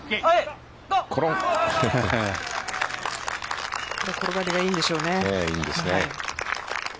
転がりがいいんでしょうね。